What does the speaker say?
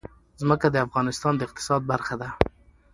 ځمکه د افغانستان د اقتصاد برخه ده.